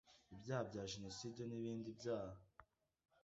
ibyaha bya jenoside n ibindi byaha